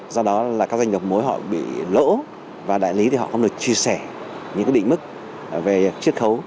do đó là các doanh nghiệp mối họ bị lỗ và đại lý thì họ cũng được chia sẻ những định mức về triết khấu